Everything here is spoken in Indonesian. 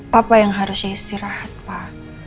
papa yang harusnya istirahat pak